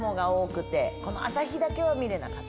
朝日だけは見れなかった。